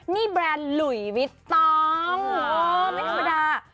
นี่แบรนด์หลุยวิตต้องไม่ธรรมดา